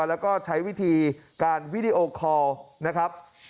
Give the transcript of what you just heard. แล้วก็ใช้วิธีการวิดีโอคอลนะครับ